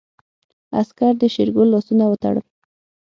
عسکر د شېرګل لاسونه وتړل.